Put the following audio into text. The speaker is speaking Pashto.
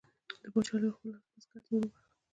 د باچا لور خپل آس بزګر ته وروبخښه.